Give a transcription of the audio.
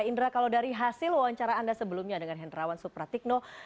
indra kalau dari hasil wawancara anda sebelumnya dengan hendrawan supratikno